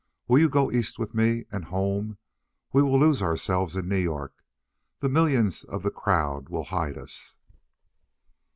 Will you go East with me, and home? We will lose ourselves in New York. The millions of the crowd will hide us."